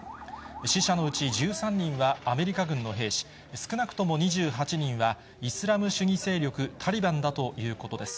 死者のうち１３人はアメリカ軍の兵士、少なくとも２８人は、イスラム主義勢力タリバンだということです。